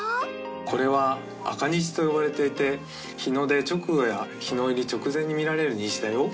これは赤虹と呼ばれていて日の出直後や日の入り直前に見られる虹だよ。